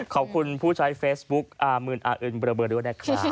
ขอบคุณผู้ใช้เฟซบุ๊คอออด้วยนะครับ